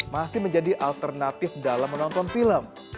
masih menjadi alternatif dalam menonton film